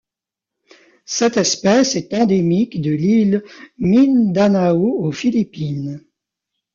Cette espèce est endémique de l'île Mindanao aux Philippines.